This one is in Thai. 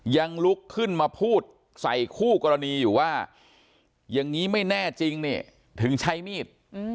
ยังลุกขึ้นมาพูดใส่คู่กรณีอยู่ว่าอย่างนี้ไม่แน่จริงเนี่ยถึงใช้มีด